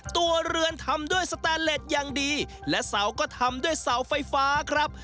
ตัวเรือนทำด้วยสแตนเล็ตอย่างดีและเสาก็ทำด้วยเสาไฟฟ้าครับ